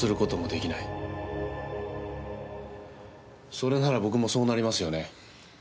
それなら僕もそうなりますよね？